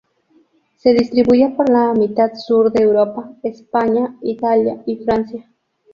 Se distribuye por la mitad sur de Europa: España, Italia y Francia.